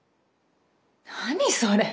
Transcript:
何それ？